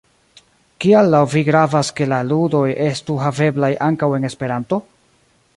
Kial laŭ vi gravas, ke la ludoj estu haveblaj ankaŭ en Esperanto?